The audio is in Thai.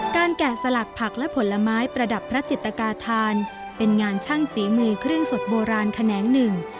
แกะสลักผักและผลไม้ประดับพระจิตกาธานเป็นงานช่างฝีมือเครื่องสดโบราณแขนงหนึ่ง